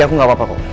ya aku gak apa apa kok